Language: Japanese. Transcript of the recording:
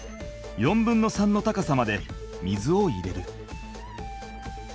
４分の３の高さまで水を入れる。